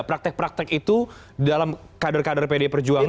praktek praktek itu dalam kader kader pdi perjuangan